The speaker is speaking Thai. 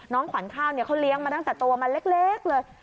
ขวัญข้าวเนี่ยเขาเลี้ยงมาตั้งแต่ตัวมันเล็กเลย